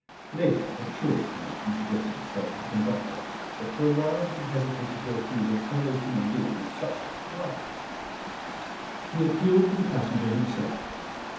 Later, the true explanation suggested itself to the conductor, but for a while he hesitated to accuse a fellow human being of such crime. He appealed to the passenger himself.